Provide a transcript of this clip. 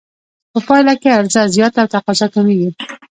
په پایله کې عرضه زیاته او تقاضا کمېږي